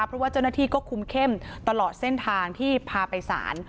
เพราะว่าเจ้าหน้าที่ก็คุมเข้มตลอดเส้นทางที่พาไปสาร